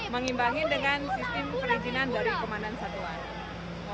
mengimbangi dengan sistem perizinan dari komandan satuan